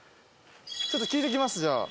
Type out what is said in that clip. ちょっと聞いてきますじゃあ。